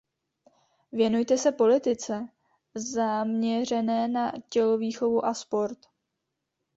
Věnuje se politice zaměřené na tělovýchovu a sport.